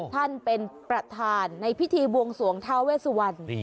ท่านเป็นประธานในพิธีบวงส่วนทาวเวสวรรค์